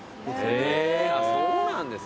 そうなんです。